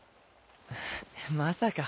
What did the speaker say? まさか。